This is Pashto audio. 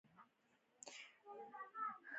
چین د کمربند او لارې پروژه پیل کړه.